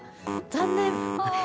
残念！